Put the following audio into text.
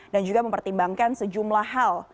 dan juga mempertimbangkan sejumlah hal